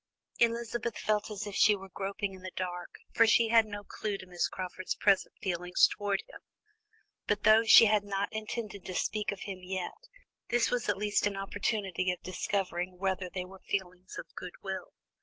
Elizabeth felt as if she were groping in the dark, for she had no clue to Miss Crawford's present feelings towards him; but though she had not intended to speak of him yet, this was at least an opportunity of discovering whether they were feelings of goodwill.